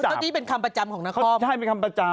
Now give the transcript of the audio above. เพราะนี่เป็นคำประจำของนครค่ะคำประจำเขาใช่เป็นคำประจำ